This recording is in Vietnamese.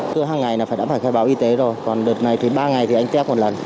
cứa hàng ngày là phải đã phải khai báo y tế rồi còn đợt này thì ba ngày thì anh tep một lần